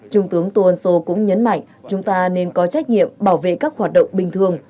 trung tướng tô ân sô cũng nhấn mạnh chúng ta nên có trách nhiệm bảo vệ các hoạt động bình thường